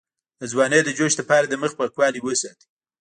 د ځوانۍ د جوش لپاره د مخ پاکوالی وساتئ